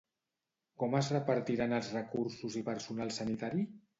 Com es repartiran els recursos i personal sanitari?